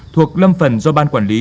thuộc lâm phần do ban quản lý